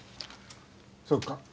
そうか。